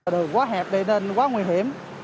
đường quá hẹp đi nên quá nguy hiểm